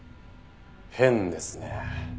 変ですね。